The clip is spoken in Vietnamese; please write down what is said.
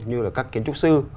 như là các kiến trúc sư